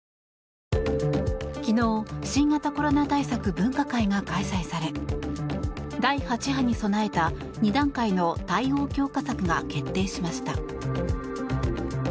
昨日、新型コロナ対策分科会が開催され第８波に備えた、２段階の対応強化策が決定しました。